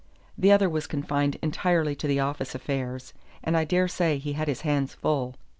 The other was confined entirely to the office affairs, and I dare say he had his hands full.